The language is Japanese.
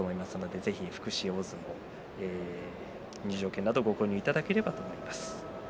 ぜひ福祉大相撲の入場券をお買い求めいただければと思います。